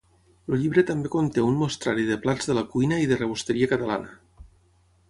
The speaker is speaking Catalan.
El llibre també conté un mostrari de plats de la cuina i de rebosteria catalana.